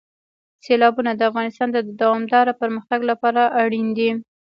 سیلابونه د افغانستان د دوامداره پرمختګ لپاره اړین دي.